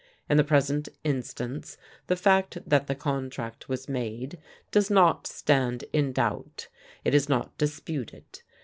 In the present instance, the fact that the contract was made does not stand in doubt; it is not disputed.